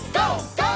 ＧＯ！